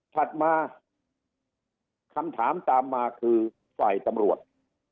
ถัดมาคำถามตามมาคือฝ่ายตำรวจ